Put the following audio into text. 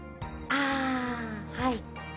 あはい。